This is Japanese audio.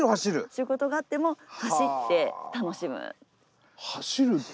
仕事があっても走って楽しむ。